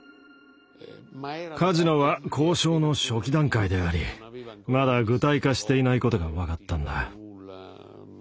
カジノは交渉の初期段階でありまだ具体化していないことが分かったんだ。